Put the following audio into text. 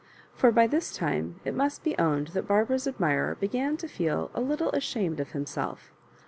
For by this time it must be'owned that Barbara's admirer began to feel a little ashamed of himself.